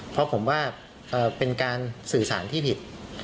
เพราะผมว่าเป็นการสื่อสารที่ผิด